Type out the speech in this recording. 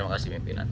baik terima kasih